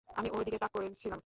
আমি ওর দিকে তাক করেচিলাম।